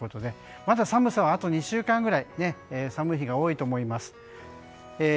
まだあと２週間ぐらい寒い日が多いと思います。